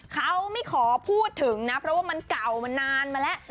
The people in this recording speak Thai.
เขาไม่ขอพูดถึงนะเพราะว่ามันเก่ามานานมาแล้ว